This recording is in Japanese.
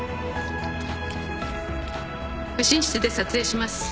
右心室で撮影します。